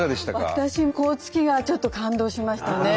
私甲突川ちょっと感動しましたね。